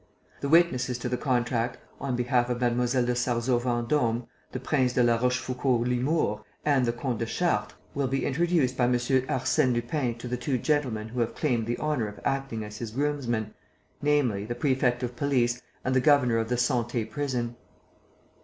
The witnesses to the contract on behalf of Mlle. de Sarzeau Vendôme, the Prince de la Rochefoucauld Limours and the Comte de Chartres, will be introduced by M. Arsène Lupin to the two gentlemen who have claimed the honour of acting as his groomsmen, namely, the prefect of police and the governor of the Santé Prison."